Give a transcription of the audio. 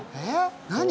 何？